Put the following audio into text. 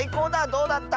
どうだった？